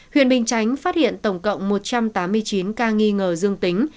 huyện bình chánh phát hiện tổng cộng một trăm tám mươi chín ca nghi ngờ dương tính